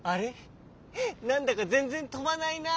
なんだかぜんぜんとばないなあ。